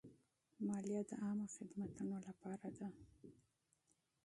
مالیه د عامه خدمتونو لپاره ده.